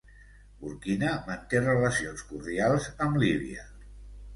Burkina manté relacions cordials amb Líbia.